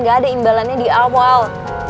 gak ada imbalannya di awal